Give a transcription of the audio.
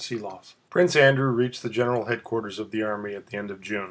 CHAPTER IX Prince Andrew reached the general headquarters of the army at the end of June.